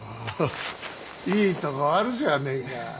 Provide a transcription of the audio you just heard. いいとこあるじゃねえか。